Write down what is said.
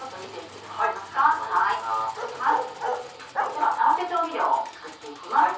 では合わせ調味料を作って行きます。